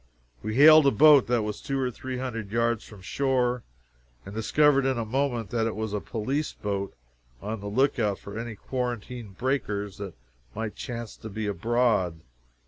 We hailed a boat that was two or three hundred yards from shore, and discovered in a moment that it was a police boat on the lookout for any quarantine breakers that might chance to be abroad.